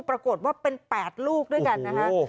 ปรากฏว่าเป็น๘ลูกด้วยกันนะคะ